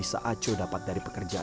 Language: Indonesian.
ini kalau lainnya ia sepertinya